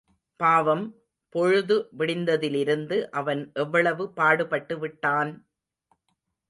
பாவம், பொழுது விடிந்ததிலிருந்து அவன் எவ்வளவு பாடுபட்டுவிட்டான்!